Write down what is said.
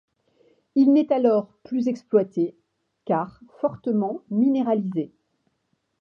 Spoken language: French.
Il n'est alors plus exploité car fortement minéralisé.